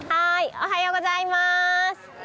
おはようございます。